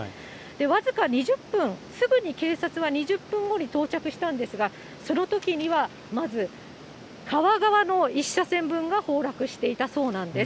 僅か２０分、すぐに警察は２０分後に到着したんですが、そのときにはまず、川側の１車線分が崩落していたそうなんです。